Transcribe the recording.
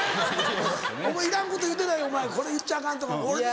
お前いらんこと言うてるやろこれ言っちゃアカンとか。